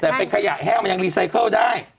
แต่เป็นขยะแห้งมันยังรีไซเคิลได้